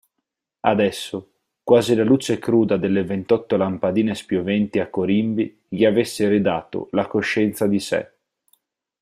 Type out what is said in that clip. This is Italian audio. Adesso, quasi la luce cruda delle ventotto lampadine spioventi a corimbi gli avesse ridato la coscienza di sé.